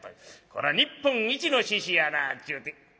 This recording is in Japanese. これは日本一の猪やなっちゅうて。